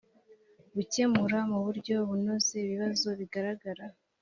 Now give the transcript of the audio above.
gukemura mu buryo bunoze ibibazo bigaragara